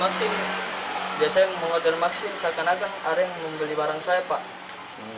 biasanya meng order maksimum misalkan akan aren membeli barang saya pak